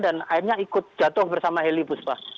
dan akhirnya ikut jatuh bersama heli bu sba